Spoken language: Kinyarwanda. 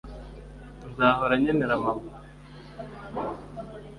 nzahora nkenera mama,